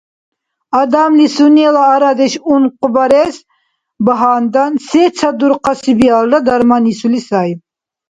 Адамли сунела арадеш ункъбарес багьандан, сецад дурхъаси биалра дарман исули сай.